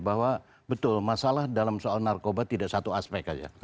bahwa betul masalah dalam soal narkoba tidak satu aspek saja